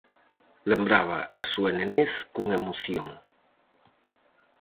Lembraba a súa nenez con emoción.